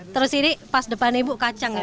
terus ini pas depan ibu kacang ya bu